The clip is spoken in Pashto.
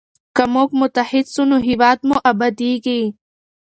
که موږ متحد سو نو هیواد مو ابادیږي.